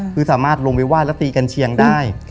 คือสามารถลงไปไห้แล้วตีกันเชียงได้